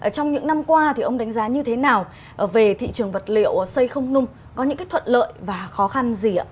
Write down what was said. trong những năm qua ông đánh giá như thế nào về thị trường vật liệu xây không nung có những thuận lợi và khó khăn gì ạ